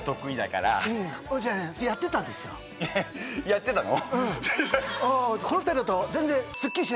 やってたの？